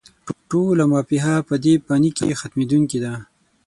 ټوله «ما فيها» په دې فاني کې ختمېدونکې ده